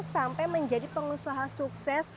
sampai menjadi pengusaha sukses